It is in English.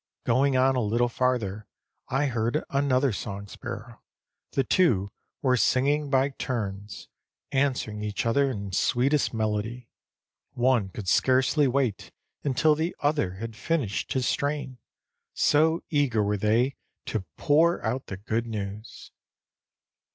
Going on a little farther I heard another song sparrow; the two were singing by turns, answering each other in sweetest melody. One could scarcely wait until the other had finished his strain, so eager were they to pour out the good news.